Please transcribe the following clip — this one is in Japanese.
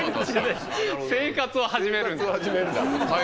生活を始めるんだ。